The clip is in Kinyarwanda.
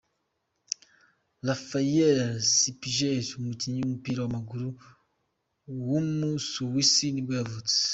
Raphael Spiegel, umukinnyi w’umupira w’amaguru w’umusuwisi nibwo yavutse.